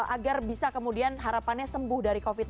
agar bisa kemudian harapannya sembuh dari masa kritis